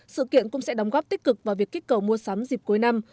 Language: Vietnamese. sự kiện cũng sẽ đóng góp tích cực vào việc kích cầu mua sắm dịp cuối năm